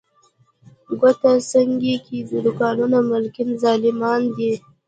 ګوته سنګي کې دوکانونو مالکان ظالمان دي.